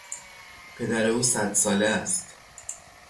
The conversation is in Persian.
پدر او صد ساله است.